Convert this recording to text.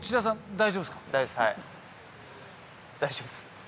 大丈夫ですか？